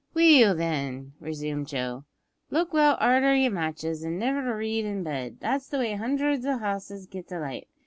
"Well, then," resumed Joe, "look well arter yer matches, an' niver read in bed; that's the way hundreds o' houses get a light.